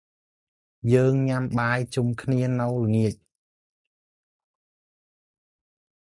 យើងញ៉ាំបាយជុំគ្នានៅល្ងាច។